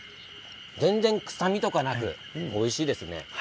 全然、臭みとかなくおいしいですね。